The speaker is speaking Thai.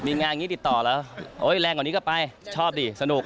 มีงานนี้ติดต่อแล้วไว้แรงกว่านี้ก็ไปชอบสิสนุก